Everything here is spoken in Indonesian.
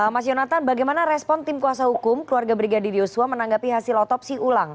mas yonatan bagaimana respon tim kuasa hukum keluarga brigadir yosua menanggapi hasil otopsi ulang